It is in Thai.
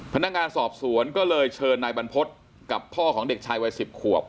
พนักงานสอบสวนก็เลยเชิญนายบรรพฤษกับพ่อของเด็กชายวัย๑๐ขวบ